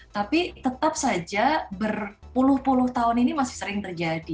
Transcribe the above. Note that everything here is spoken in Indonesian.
tapi tetap saja berpuluh puluh tahun ini masih sering terjadi